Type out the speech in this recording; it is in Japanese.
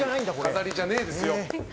飾りじゃねえですよ。